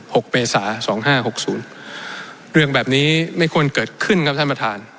เมษาสองห้าหกศูนย์เรื่องแบบนี้ไม่ควรเกิดขึ้นครับท่านประธาน